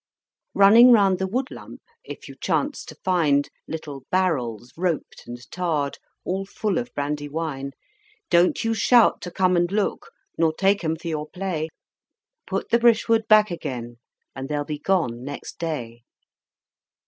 Running round the woodlump if you chance to find Little barrels, roped and tarred, all full of brandy wine, Don't you shout to come and look, nor use 'em for your play. Put the brishwood back again, and they'll be gone next day!